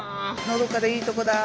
のどかでいいとこだ。